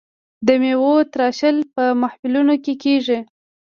د میوو تراشل په محفلونو کې کیږي.